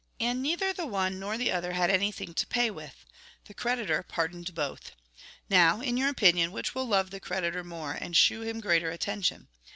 And neither the one nor the other had anything to pay with. The creditor pardoned both. Now, in your opinion, which will love the creditor more, and shew him greater attention